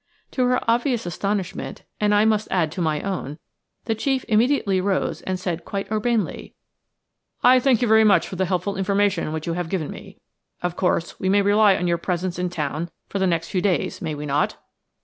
To her obvious astonishment–and, I must add, to my own–the chief immediately rose and said, quite urbanely: "I thank you very much for the helpful information which you have given me. Of course, we may rely on your presence in town for the next few days, may we not?"